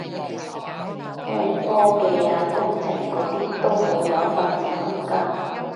咩科技啊工程嗰啲都好有發展空間